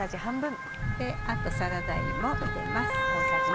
あとサラダ油も入れます。